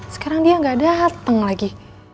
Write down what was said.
sekarang dia nggak dateng lagi